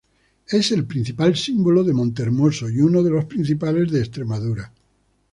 Es el principal símbolo de Montehermoso y uno de los principales de Extremadura.